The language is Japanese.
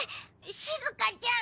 しずかちゃん。